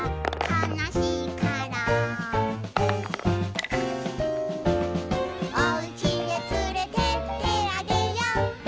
「かなしいから」「おうちへつれてってあげよ」